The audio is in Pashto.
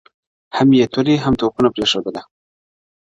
هم یې توري هم توپونه پرېښودله -